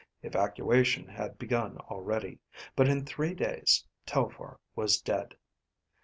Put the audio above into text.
Evacuation had begun already. But in three days, Telphar was dead.